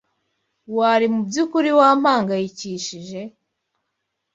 Wari mubyukuri wampangayikishije?